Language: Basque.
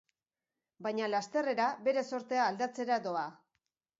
Baina lasterrera bere zortea aldatzera doa...